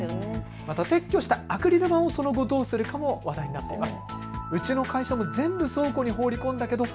また撤去したアクリル板をその後どうするかも話題になっています。